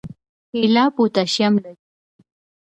کیله پوټاشیم لري